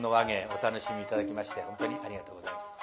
お楽しみ頂きまして本当にありがとうございます。